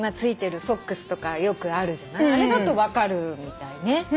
あれだと分かるみたいね。